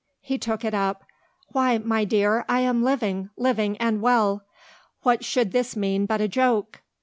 He took it up. "Why, my dear, I am living living and well. What should this mean but a joke?"